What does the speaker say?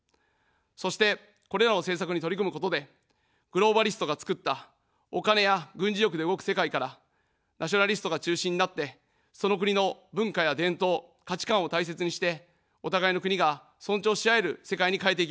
そして、これらの政策に取り組むことで、グローバリストがつくったお金や軍事力で動く世界から、ナショナリストが中心になって、その国の文化や伝統、価値観を大切にして、お互いの国が尊重し合える世界に変えていきます。